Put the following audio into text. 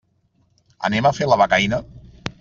Anem a fer la becaina?